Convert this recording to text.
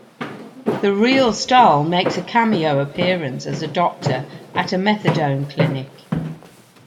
The real Stahl makes a cameo appearance as a doctor at a methadone clinic.